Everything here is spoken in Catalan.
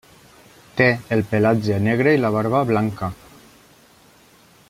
Té el pelatge negre i la barba blanca.